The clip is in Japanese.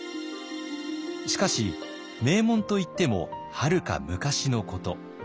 しかし名門といってもはるか昔のこと。